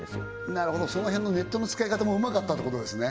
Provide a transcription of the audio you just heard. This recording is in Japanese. なるほどその辺のネットの使い方もうまかったってことですね